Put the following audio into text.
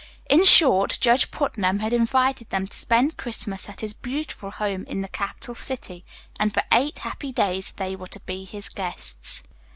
In short, Judge Putnam had invited them to spend Christmas at his beautiful home in the capital city, and for eight happy days they were to be his guests.